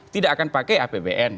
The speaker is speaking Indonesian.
tidak akan pakai apbn